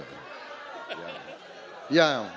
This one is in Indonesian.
wassalamualaikum warahmatullahi wabarakatuh